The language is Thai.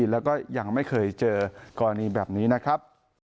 แล้วก็ยังไม่เคยเจอกรณีแบบนี้นะครับ